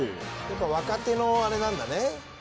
「やっぱ若手のあれなんだね」